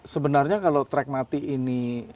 sebenarnya kalau track mati ini